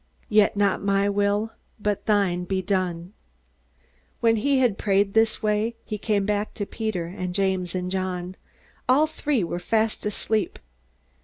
Yet not my will, but thine, be done." When he had prayed this way, he came back to Peter and James and John. All three were fast asleep.